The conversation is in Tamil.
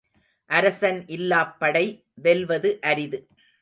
அரசன் இல்லாப் படை வெல்வது அரிது.